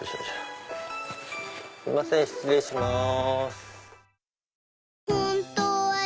すいません失礼します。